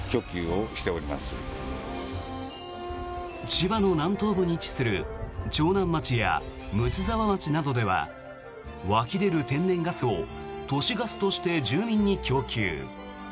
千葉の南東部に位置する長南町や睦沢町などでは湧き出る天然ガスを都市ガスとして住民に供給。